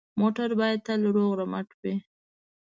موټر باید تل روغ رمټ وي.